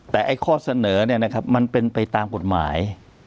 แต่ไอ้ข้อเสนอเนี่ยนะครับมันเป็นไปตามกฎหมาย